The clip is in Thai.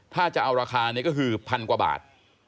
ถ้าจะเอาราคานี้ก็คือพันกว่าบาท